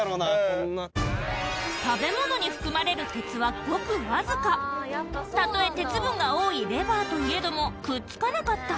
こんな食べ物に含まれる鉄はごくわずかたとえ鉄分が多いレバーといえどもくっつかなかった